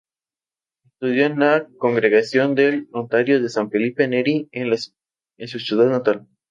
Estudió en la Congregación del Oratorio de San Felipe Neri en su ciudad natal.